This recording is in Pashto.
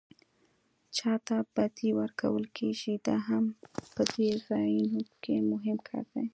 چاته بډې ورکول کېږي دا هم په دې ځایونو کې مهم کار دی.